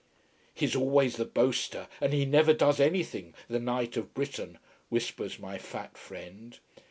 "He's always the boaster, and he never does anything, the Knight of Britain," whispers my fat friend.